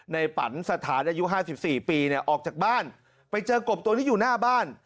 ปันสถานอายุ๕๔ปีเนี่ยออกจากบ้านไปเจอกบตัวนี้อยู่หน้าบ้าน